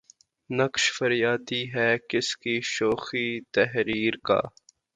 نقش فریادی ہے کس کی شوخیٴ تحریر کا؟